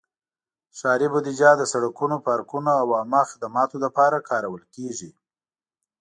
ښاري بودیجه د سړکونو، پارکونو، او عامه خدماتو لپاره کارول کېږي.